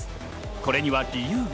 これには理由が。